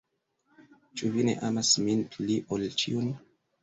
Ĉu vi ne amas min pli ol ĉiun?